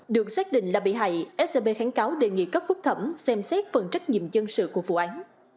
được xác định là bị hại scb kháng cáo đề nghị cấp phúc thẩm xem xét phần trách nhiệm dân sự của vụ án